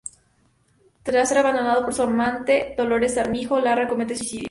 Tras ser abandonado por su amante, Dolores Armijo, Larra comete suicidio.